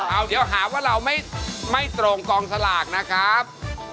เอาเดี๋ยวหาว่าเราไม่ตรงกองสลากนะครับ